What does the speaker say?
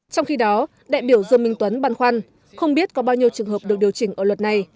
trong khi đó đại biểu dương minh tuấn băn khoăn không biết có bao nhiêu trường hợp được điều chỉnh ở luật này